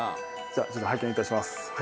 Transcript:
「じゃあちょっと拝見いたします」